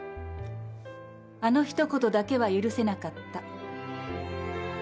あのひと言だけは許せなかった。